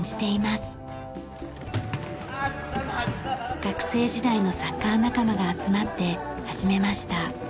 学生時代のサッカー仲間が集まって始めました。